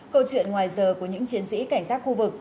câu chuyện ngoài giờ của những chiến sĩ cảnh sát khu vực